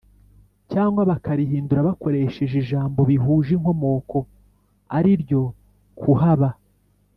Cyangwa bakarihindura bakoresheje ijambo bihuje inkomoko ari ryo kuhaba